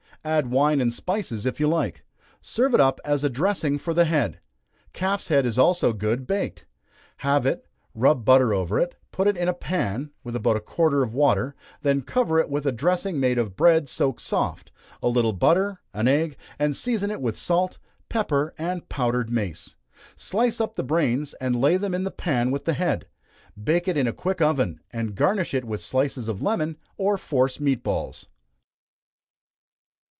Add wine and spices if you like. Serve it up as a dressing for the head. Calf's head is also good, baked. Halve it, rub butter over it, put it in a pan, with about a quart of water; then cover it with a dressing made of bread soaked soft, a little butter, an egg, and season it with salt, pepper, and powdered mace. Slice up the brains, and lay them in the pan with the head. Bake it in a quick oven, and garnish it with slices of lemon, or force meat balls.